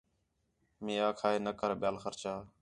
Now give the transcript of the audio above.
مے آکھا ہے نہ کر ٻِیال خرچہ